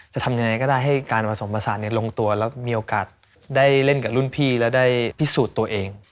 จะทำยังไงก็ได้ให้การผสมผสานลงตัวแล้วมีโอกาสได้เล่นกับรุ่นพี่แล้วได้พิสูจน์ตัวเอง